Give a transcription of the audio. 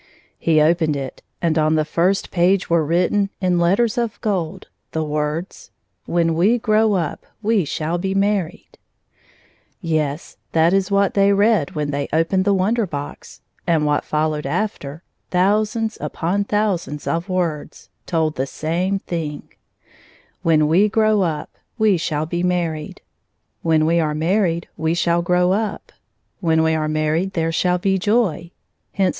He opened it, and on the first page were written, in letters of gold, the words —" When we grow up we shall be married^' Yes ; that is what they read when they opened the Wonder Box; and what followed after, thou sands upon thousands of words, told of the same thing — "when we grow up we shall be married; when we are married we shall grow up; when we are married there shall be joy; hence there i88 ^^^H ] r 1*, m 1 L,^^SBs / ^Vc 2>l<tcfd her hands on his